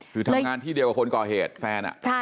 คือทำงานที่เดียวกับคนก่อเหตุแฟน